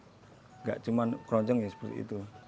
enggak cuma kroncong yang seperti itu